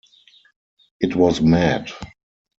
It was mad.